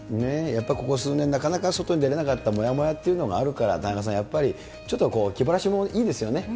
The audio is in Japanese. やっぱりここ数年、なかなか外に出られなかったもやもやっていうのもあるから、田中さん、やっぱり、ちょっとこう、気晴らしもいいですよね。